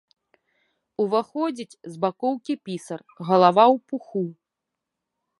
Уваходзіць з бакоўкі пісар, галава ў пуху.